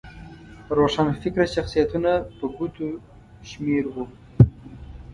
روښانفکره شخصیتونه په ګوتو شمېر وو.